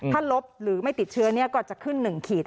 ถ้าลบหรือไม่ติดเชื้อก็จะขึ้น๑ขีด